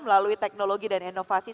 melalui teknologi dan inovasi